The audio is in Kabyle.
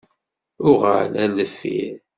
Uɣal ar deffir.